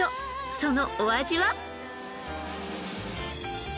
そのお味は？